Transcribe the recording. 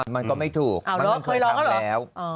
มันก็ไม่ถูกมันต้องเคยทำแล้ว